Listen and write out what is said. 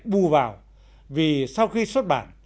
bù vào vì sau khi xuất bản